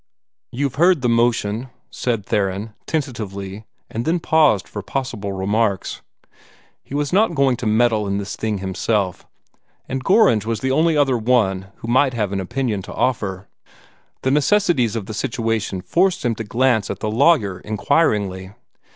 "You've heard the motion," said Theron, tentatively, and then paused for possible remarks. He was not going to meddle in this thing himself, and Gorringe was the only other who might have an opinion to offer. The necessities of the situation forced him to glance at the lawyer inquiringly.